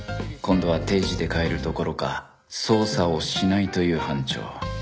今度は定時で帰るどころか捜査をしないという班長